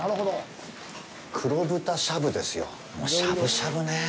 黒豚シャブですよ。しゃぶしゃぶね。